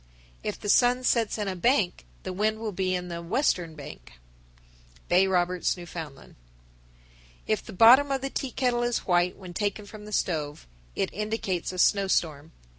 _ 1075. If the sun sets in a bank, the wind will be in the "western bank." Bay Roberts, N.F. 1076. If the bottom of the tea kettle is white when taken from the stove, it indicates a snowstorm.